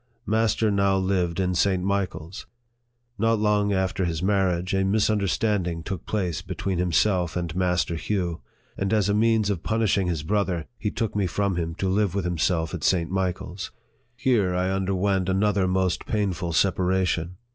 Master now lived in St. Michael's. Not long after his marriage, a misunder standing took place between himself and Master Hugh; and as a means of punishing his brother, he took me from him to live with himself at St. Michael's. Here I underwent another most painful separation.